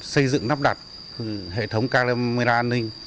xây dựng nắp đặt hệ thống camera an ninh